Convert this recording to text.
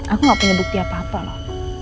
aku gak punya bukti apa apa loh